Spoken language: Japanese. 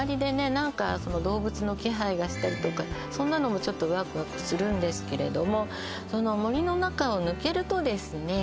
何か動物の気配がしたりとかそんなのもちょっとワクワクするんですけれどもその森の中を抜けるとですね